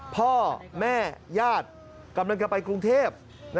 พ่อแม่ญาติกำลังจะไปกรุงเทพ